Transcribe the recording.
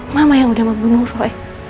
mama yang udah membunuh roy